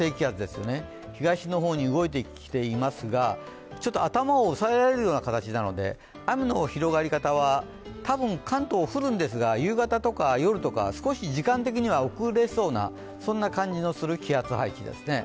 東の方に動いてきていますが、ちょっと頭を押さえられるような形なので、雨の広がり方は、多分関東は降るんですが、夕方とか夜とか、少し時間的には遅れそうな感じのする気圧配置ですね。